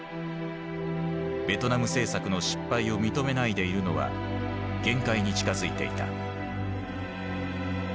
ベトナム政策の失敗を認めないでいるのは限界に近づいていた。